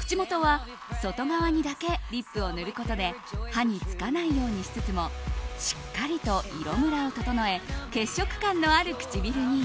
口元は外側にだけリップを塗ることで歯につかないようにしつつもしっかりと色むらを整え血色感のある唇に。